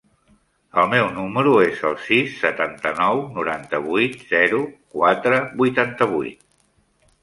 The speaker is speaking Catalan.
El meu número es el sis, setanta-nou, noranta-vuit, zero, quatre, vuitanta-vuit.